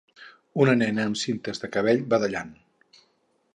Una nena amb cintes de cabell badallant.